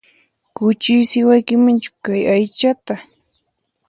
Kuchuysiwankimanchu kay aychata?